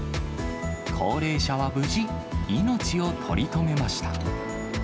高齢者は無事、命を取り留めました。